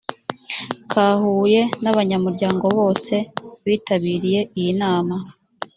ka huye n abanyamuryango bose bitabiriye iyi nama